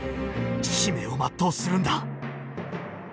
使命を全うするんだ。